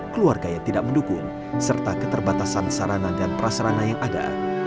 keluarga yang tidak mendukung serta keterbatasan sarana dan prasarana yang ada